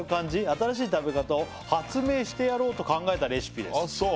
「新しい食べ方を発明してやろうと考えたレシピです」